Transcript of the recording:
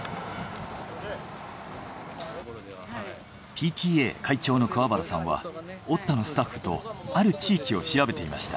ＰＴＡ会長の桑原さんはｏｔｔａのスタッフとある地域を調べていました。